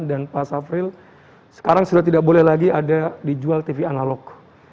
dan pas april sekarang sudah tidak boleh lagi ada dijual tv analog